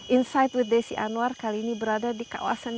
insight with desi anwar kali ini berada di kawasan